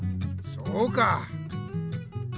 そうかぁ。